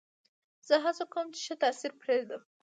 زه هڅه کوم، چي ښه تاثیر پرېږدم.